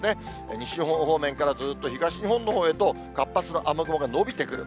西日本方面からずっと東日本のほうへと、活発な雨雲が伸びてくる。